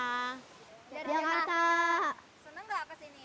jalan jalan senang gak kesini